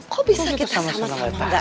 kok bisa kita sama sama nggak tahu ya